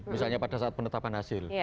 misalnya pada saat penetapan hasil